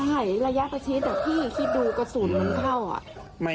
ใช่ระยะตะชิดแต่ที่ดูกระสุนมันเข้าอ่ะ